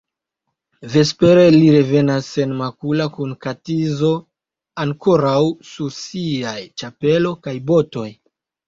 Vespere li revenas senmakula kun la katizo ankoraŭ sur siaj ĉapelo kaj botoj.